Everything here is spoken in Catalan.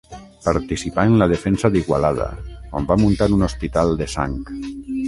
Participà en la defensa d'Igualada, on va muntar un hospital de sang.